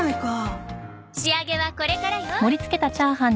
仕上げはこれからよ。